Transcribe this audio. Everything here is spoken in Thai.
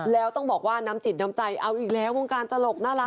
แล้วต้องบอกว่าน้ำจิตน้ำใจเอาอีกแล้ววงการตลกน่ารัก